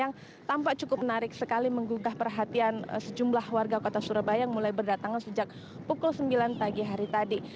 yang tampak cukup menarik sekali menggugah perhatian sejumlah warga kota surabaya yang mulai berdatangan sejak pukul sembilan pagi hari tadi